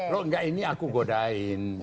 nggak ini aku godain